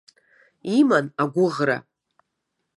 Иман агәыӷра.